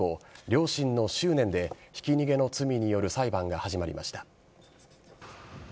両親の執念でひき逃げの罪による裁判が始まりました。